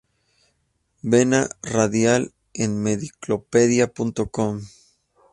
Vena Radial en Medcyclopaedia.com